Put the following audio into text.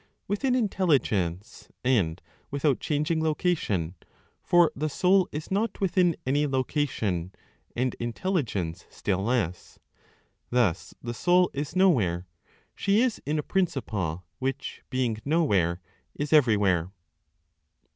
Within Intelligence, and without changing, location; for the Soul is not within any location, and Intelligence still less. Thus the Soul is nowhere; she is in a principle which, being nowhere, is everywhere.